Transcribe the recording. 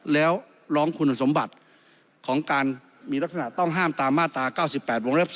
แล้วร้องคุณสมบัติของการมีลักษณะต้องห้ามตามมาตรา๙๘วงเล็บ๓